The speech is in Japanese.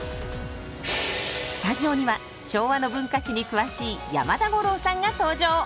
スタジオには昭和の文化史に詳しい山田五郎さんが登場！